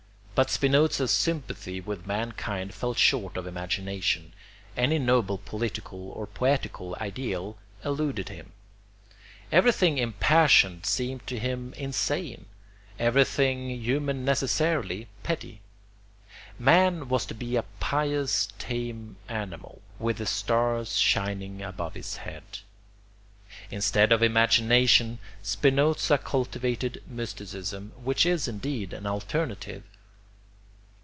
But Spinoza's sympathy with mankind fell short of imagination; any noble political or poetical ideal eluded him. Everything impassioned seemed to him insane, everything human necessarily petty. Man was to be a pious tame animal, with the stars shining above his head. Instead of imagination Spinoza cultivated mysticism, which is indeed an alternative.